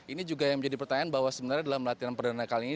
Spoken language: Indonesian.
ini juga yang menjadi pertanyaan bahwa sebenarnya dalam latihan perdana kali ini